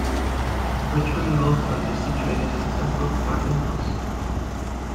Richmond Golf Club is situated in Sudbrook Park and House.